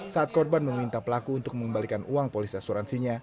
saat korban meminta pelaku untuk mengembalikan uang polis asuransinya